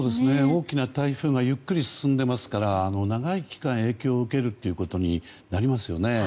大きな台風がゆっくり進んでいますから長い期間影響を受けるということになりますよね。